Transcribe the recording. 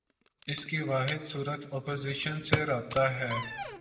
اس کی واحد صورت اپوزیشن سے رابطہ ہے۔